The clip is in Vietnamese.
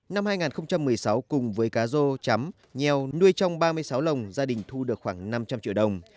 năm hai nghìn một mươi sáu cùng với cá rô chấm nheo nuôi trong ba mươi sáu lồng gia đình thu được khoảng năm trăm linh triệu đồng